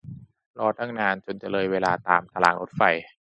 รอตั้งนานจนจะเลยเวลาตามตารรางรถไฟ